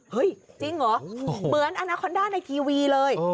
จริงเหรอเหมือนอนาคอนด้าในทีวีเลย